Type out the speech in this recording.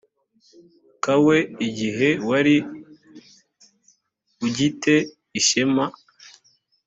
kawe igihe wari ugi te ishema